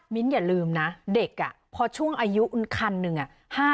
มิ้นอย่าลืมนะเด็กอะพอช่วงอายุอุ่นคันหนึ่งอะ